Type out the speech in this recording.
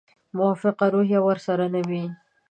موافقه روحیه ورسره نه وي.